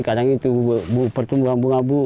kadang itu pertumbuhan bunga bu